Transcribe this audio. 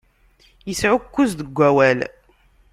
Isɛukkuz deg awal.